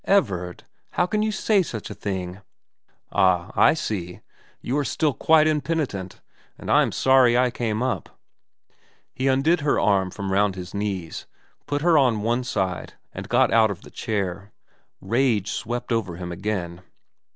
* Everard, how can you say such a thing ?'* Ah, I see. You are still quite impenitent, and I am sorry I came up.' He undid her arm from round his knees, put her on one side, and got out of the chair. Rage swept over him again.